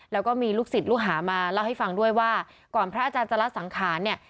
แล้วก็มีลูกศิษย์ลูกหามาเล่าให้ฟังด้วยว่าก่อนพระอาจารย์จะละสังขารเนี่ย